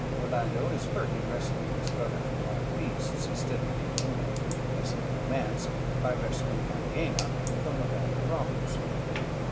Orlando is hurt in rescuing his brother from wild beasts, instead of being wounded, as in the romance, by rescuing Aliena from a band of robbers.